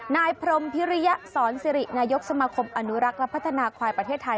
นายพรมพิริยสอนสิรินายกสมาคมอนุรักษ์และพัฒนาควายประเทศไทย